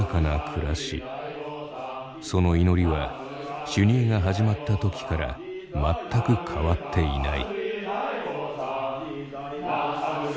その祈りは修二会が始まった時から全く変わっていない。